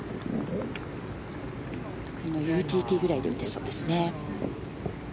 得意のユーティリティーくらいで打てそうですね。